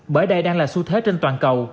bởi đây đang là xu thế trên toàn cầu